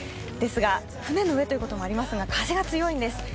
ですが、船の上ということもありますが風が強いんです。